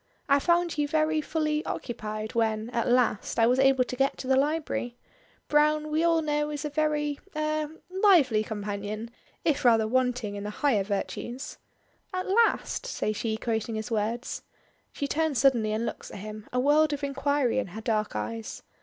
I found you very fully occupied when at last I was able to get to the library. Browne we all know is a very er lively companion if rather wanting in the higher virtues." "'At last,'" says she quoting his words. She turns suddenly and looks at him, a world of inquiry in her dark eyes.